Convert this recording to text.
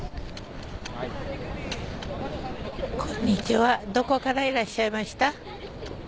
こんにちはどこからいらっしゃいました？